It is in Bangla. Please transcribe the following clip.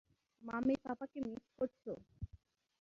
মাম্মি পাপাকে মিস করছো?